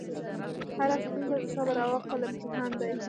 هره ستونزه د صبر او عقل امتحان دی.